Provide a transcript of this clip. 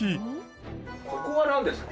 ここはなんですか？